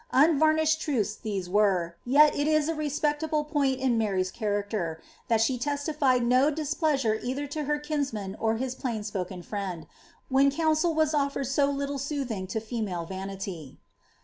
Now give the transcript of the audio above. Unvarnished truths were thet^e, yet it is a respectable point in Mary's chaiacter, that she testified no displeasure eitlier to her kinsman or hia pbiin spoken friend, when counsel was offered so little soothing to lemale vanity.